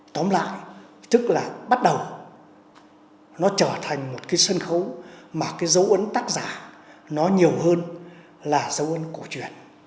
tóm lại tức là bắt đầu nó trở thành một cái sân khấu mà cái dấu ấn tác giả nó nhiều hơn là dấu ấn cổ truyền